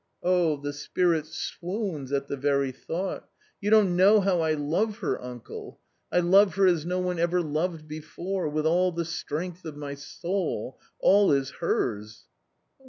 " Oh the spirit swoons at the very thought. You don't know how I love her, uncle ! I love her as no one ever loved before ; with all the strength of my soul — all is hers."